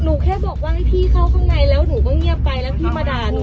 หนูแค่บอกว่าให้พี่เข้าข้างในนุก็เงียบไปและพี่มาด่าหนู